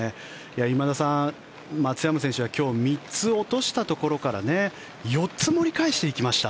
今田さん、松山選手は今日３つ落としたところから４つ盛り返していきました。